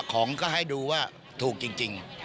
ของก็ให้ดูว่าถูกจริง